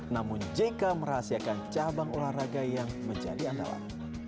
namun jk merahasiakan cabang olahraga yang menjadi andalan